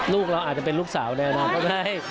ลูกเราอาจจะเป็นลูกสาวในอนาคตก็ได้